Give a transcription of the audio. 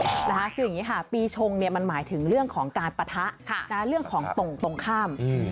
คืออย่างนี้ค่ะปีชงมันหมายถึงเรื่องของการปะทะเรื่องของตรงข้าม